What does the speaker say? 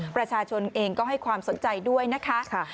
ประชาชนเองก็ให้ความสนใจด้วยนะคะ